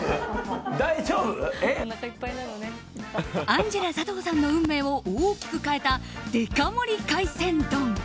アンジェラ佐藤さんの運命を大きく変えたデカ盛り海鮮丼。